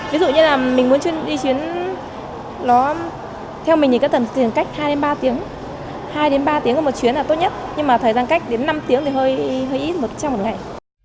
ví dụ như là mình muốn đi chuyến theo mình thì có tầm tiền cách hai ba tiếng hai ba tiếng của một chuyến là tốt nhất nhưng mà thời gian cách đến năm tiếng thì hơi ít hơn trong một ngày